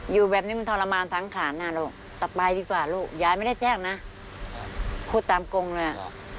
อยู่แบบนี้มันทรมานสังขารน่ะลูกต่อไปดีกว่าลูกยายไม่ได้แจ้งนะพูดตามกงเลย